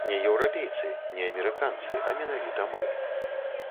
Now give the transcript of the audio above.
Не еўрапейцы, не амерыканцы, а менавіта мы.